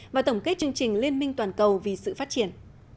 và tổng kết chương trình liên minh toàn cầu vì sự phát triển